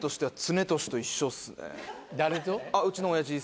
誰と？